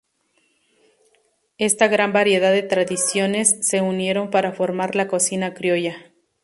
Esta gran variedad de tradiciones se unieron para formar La Cocina Criolla.